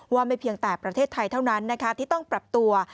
ไม่เพียงแต่ประเทศไทยเท่านั้นที่ต้องปรับตัว